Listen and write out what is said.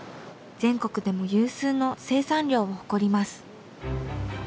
全国でも有数の生産量を誇ります。